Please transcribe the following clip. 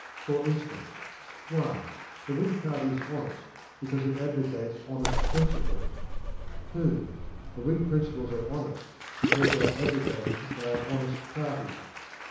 For instance: (1) The Whig party is honest because it advocates honest principles; (2) the Whig principles are honest because they are advocated by an honest party.